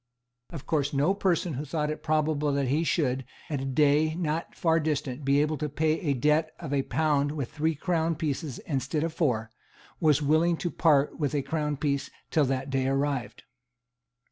Of course no person who thought it probable that he should, at a day not far distant, be able to pay a debt of a pound with three crown pieces instead of four, was willing to part with a crown piece, till that day arrived.